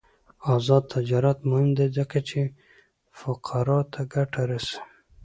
آزاد تجارت مهم دی ځکه چې فقراء ته ګټه رسوي.